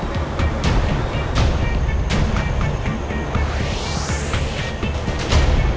bukanders sabuli hadap allah